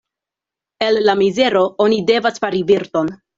El la mizero oni devas fari virton.